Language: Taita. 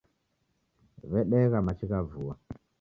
Wedegha machi gha vua